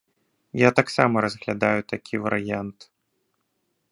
Я таксама разглядаю такі варыянт.